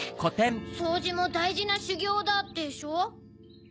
「そうじもだいじなしゅぎょうだ」でしょ。